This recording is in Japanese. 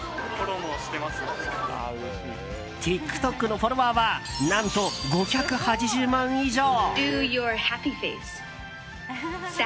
ＴｉｋＴｏｋのフォロワーは何と５８０万以上。